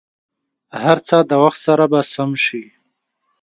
هر څه د وخت سره به سم شي.